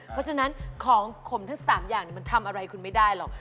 เพราะฉะนั้นมันทำอะไรคุณไม่ได้หรอก